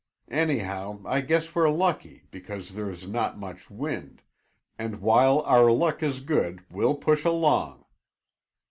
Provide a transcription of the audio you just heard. Anyhow, I guess we're lucky because there's not much wind, and while our luck is good we'll push along."